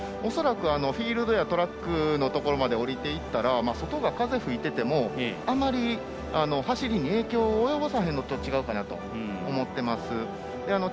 おそらく、フィールドやトラックのところまで下りていったら外が風が吹いててもあまり走りに影響を及ぼさへんのちゃうかなと思ってます。